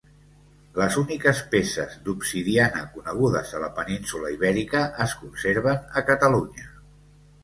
Les úniques peces d'obsidiana conegudes a la península Ibèrica es conserven a Catalunya.